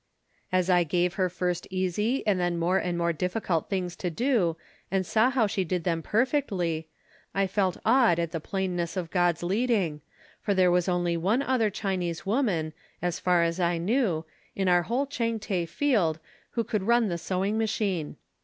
As I gave her first easy and then more and more difficult things to do and saw how she did them perfectly, I felt awed at the plainness of God's leading, for there was only one other Chinese woman, as far as I knew, in our whole Changte field who could run the sewing machine.